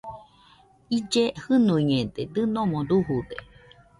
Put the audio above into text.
Ille jɨnuiñede, dɨno dujude